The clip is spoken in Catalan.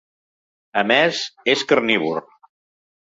A més, és carnívor.